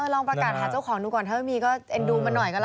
ลองประกาศหาเจ้าของดูก่อน